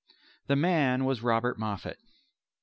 The man was Robert Moffat.